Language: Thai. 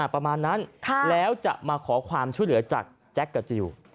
ประมาณนั้นแล้วจะมาขอความช่วยเหลือจากแจ็คกับจิล